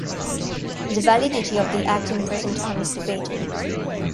The validity of the act in present time is debated.